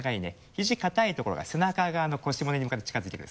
肘硬いところが背中側の腰骨に向かって近づいてくる。